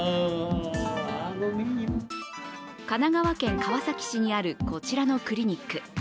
神奈川県川崎市にあるこちらのクリニック。